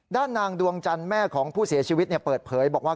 ด้านนางดวงจันทร์แม่ของผู้เสียชีวิตเปิดเผยบอกว่า